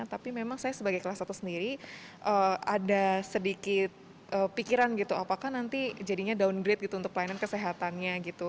tapi memang saya sebagai kelas satu sendiri ada sedikit pikiran gitu apakah nanti jadinya downgrade gitu untuk pelayanan kesehatannya gitu